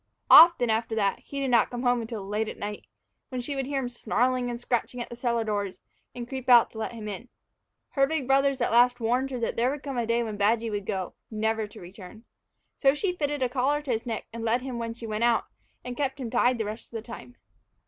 Often, after that, he did not come home until late at night, when she would hear him snarling and scratching at the cellar doors, and creep out to let him in. Her big brothers at last warned her that there would come a day when Badgy would go, never to return. So she fitted a collar to his neck and led him when she went out, and kept him tied the rest of the time.